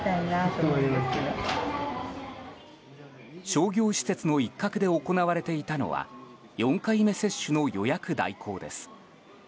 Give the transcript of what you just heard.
商業施設の一角で行われていたのは４回目接種の予約代行です。